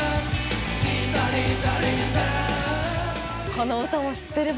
この歌も知ってるわ。